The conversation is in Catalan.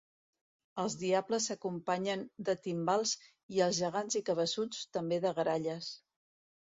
Els diables s'acompanyen de timbals i els gegants i cabeçuts també de gralles.